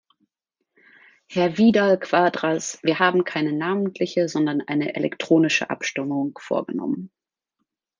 Herr Vidal-Quadras, wir haben keine namentliche, sondern eine elektronische Abstimmung vorgenommen.